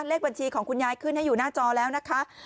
เลขบัญชีของคุณยายขึ้นให้อยู่หน้าจอแล้วนะคะ